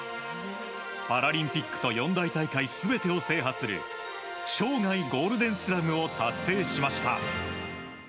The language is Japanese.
パラリンピックと四大大会全てを制覇する生涯ゴールデンスラムを達成しました。